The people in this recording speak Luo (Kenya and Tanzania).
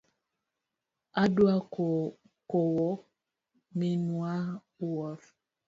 Adwa kowo minwa wuoth